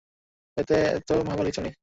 এতে অতো ভাবার কিছু নেই।